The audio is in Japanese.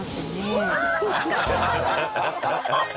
アハハハ！